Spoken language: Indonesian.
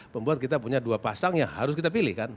membuat kita punya dua pasang yang harus kita pilih kan